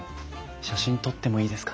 写真撮ってもいいですか？